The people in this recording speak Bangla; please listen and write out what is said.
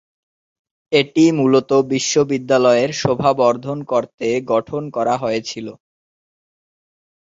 এটি মূলত বিশ্ববিদ্যালয়ের শোভা বর্ধন করতে গঠন করা হয়েছিল।